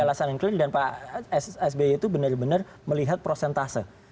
alasan yang clear dan pak sby itu benar benar melihat prosentase